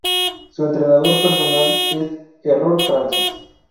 Su entrenador personal es Errol Francis.